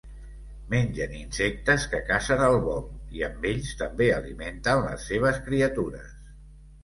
Mengen insectes que cacen al vol, i amb ells també alimenten les seves criatures.